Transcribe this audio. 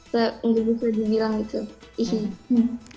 tidak bisa dibilang gitu